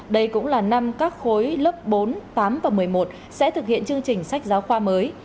đây cũng là năm các khối lớp bốn tám và một mươi một sẽ thực hiện chương trình sách giáo khoa mới